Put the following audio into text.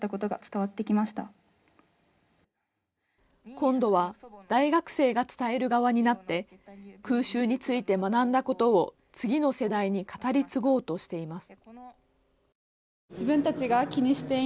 今度は大学生が伝える側になって空襲について学んだことを次の世代に語り継ごうとしています。